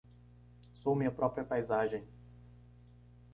Sou minha própria paisagem;